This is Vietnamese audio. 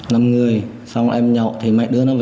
năm người xong em nhậu thì mấy đứa